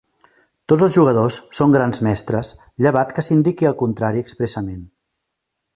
Tots els jugadors són Grans Mestres llevat que s'indiqui el contrari expressament.